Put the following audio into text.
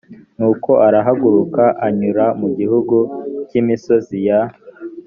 nuko arahaguruka anyura mu gihugu cy imisozi ya